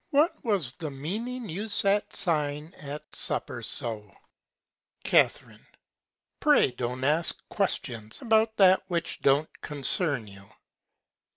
What was the Meaning you sat sighing at Supper so? Ca. Pray don't ask Questions about that which don't concern you.